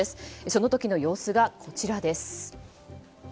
その時の様子がこちらです。